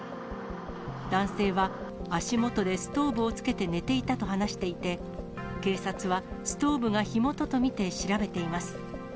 男性は、足元でストーブをつけて寝ていたと話していて、警察はストーブが火元と見て調べています。